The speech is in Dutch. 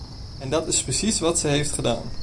En dat is precies wat ze heeft gedaan.